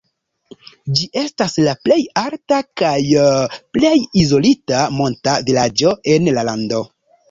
Ĝi estas la plej alta kaj plej izolita monta vilaĝo en la lando.